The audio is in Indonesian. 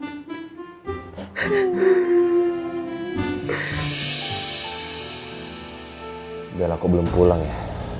biar aku belum pulang ya